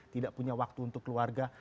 tidak punya waktu untuk keluarga